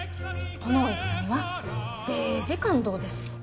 このおいしさにはデージ感動です。